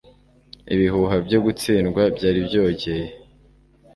Ibihuha byo gutsindwa byari byogeye. .